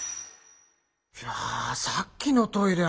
いやさっきのトイレ